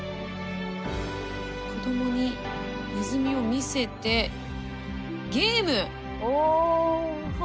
子どもにネズミを見せてゲーム。